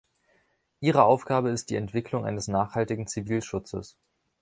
Ihre Aufgabe ist die Entwicklung eines nachhaltigen Zivilschutzes.